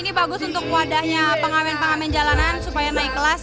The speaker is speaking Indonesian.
ini bagus untuk wadahnya pengamen pengamen jalanan supaya naik kelas